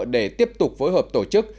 để tiếp tục phối hợp tổ chức